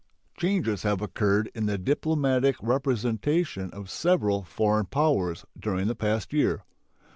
Changes have occurred in the diplomatic representation of several foreign powers during the past year.